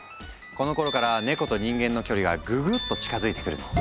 このころからネコと人間の距離がぐぐっと近づいてくるの。